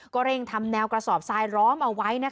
เร่งทำแนวกระสอบทรายล้อมเอาไว้